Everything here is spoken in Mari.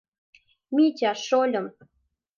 — Митя, шольым...